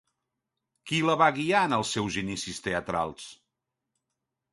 Qui la va guiar en els seus inicis teatrals?